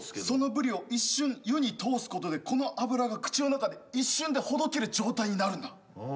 そのブリを一瞬湯に通すことでこの脂が口の中で一瞬でほどける状態になるんだ。